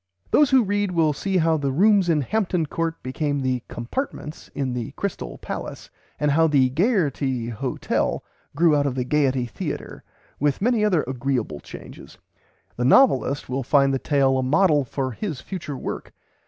Those who read will see how the rooms in Hampton Court became the "compartments" in the "Crystale" Palace, and how the "Gaierty" Hotel grew out of the Gaiety Theatre, with many other agreeable changes. The novelist will find the tale a model for his future work.